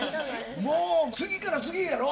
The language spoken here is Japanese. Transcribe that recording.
もう次から次へやろ？